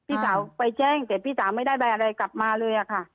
พี่สาวไปแจ้งแต่พี่สาวไม่ได้ใบอะไรกลับมาเลยค่ะ